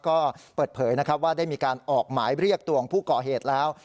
ก็เปิดเผยนะครับว่าได้มีการออกหมายเรียกตัวของผู้ก่อเหตุแล้ว